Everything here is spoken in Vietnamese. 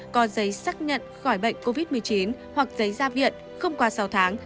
có giấy xác nhận khỏi bệnh covid một mươi chín hoặc giấy ra viện không qua sáu tháng